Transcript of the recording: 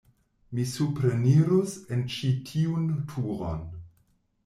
Mi suprenirus en ĉi tiun turon.